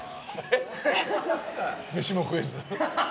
飯も食えず？